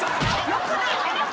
よくない。